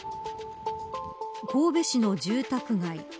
神戸市の住宅街。